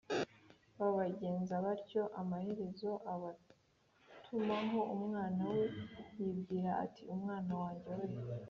babagenza batyo Amaherezo abatumaho umwana we yibwira ati umwana wanjye we